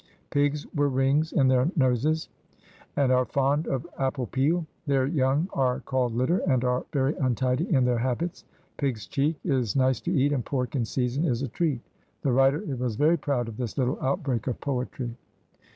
Pigs were rings in their noses and are fond of apple peal. Their young are called litter and are very untidy in their habbits. Pig's cheek is nice to eat and pork in season is a treat." (The writer was very proud of this little outbreak of poetry.)